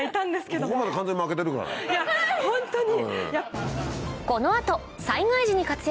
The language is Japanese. いやホントに。